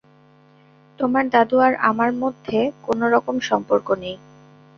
তোমার দাদু আর আমার মধ্যে কোনোরকম সম্পর্ক নেই।